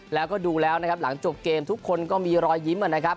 ที่ดูแล้วนะครับหลังจบเกมทุกคนก็มีรอยยิ้มเหมือนนะครับ